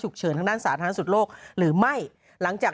เดี๋ยวกลับมากันฮะ